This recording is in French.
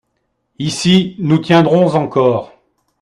Ici, nous tiendrons encore.